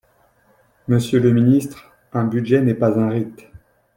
Monsieur le ministre, un budget n’est pas un rite.